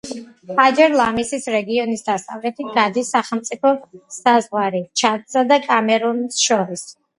ჰაჯერ-ლამისის რეგიონის დასავლეთით გადის სახელმწიფო საზღვარი ჩადსა და კამერუნს შორის.